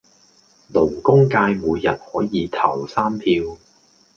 勞工界每人可以投三票